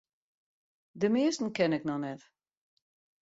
De measten ken ik noch net.